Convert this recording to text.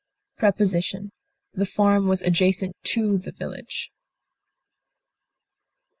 Preposition: The farm was adjacent to the village.